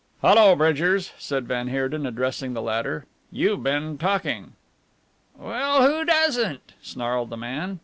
"Hello, Bridgers," said van Heerden addressing the latter, "you've been talking." "Well, who doesn't?" snarled the man.